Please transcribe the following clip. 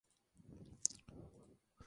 Simplemente no puedo comprenderlo.